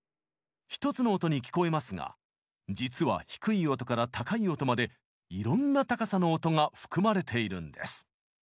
１つの音に聞こえますが実は低い音から高い音までいろんな高さの音が含まれているんです。